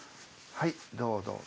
はいどうぞ。